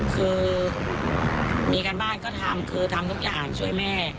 คือมีการบ้านก็ทำคือทำทุกอย่างช่วยแม่